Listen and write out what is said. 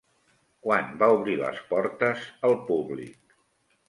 Quan va obrir les portes al públic?